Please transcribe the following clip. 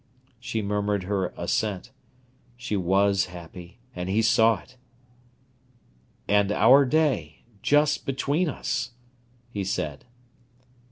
She murmured her assent. She was happy, and he saw it. "And our day—just between us," he said.